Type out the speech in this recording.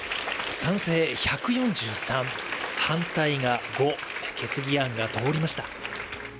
賛成１４３、反対が５、決議案が通りました。